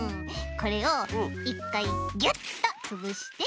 これをいっかいギュッとつぶして。